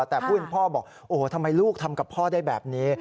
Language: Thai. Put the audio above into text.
แต่ผู้เป็นพ่อบอกโอ้โหทำไมลูกทำกับพ่อได้แบบนี้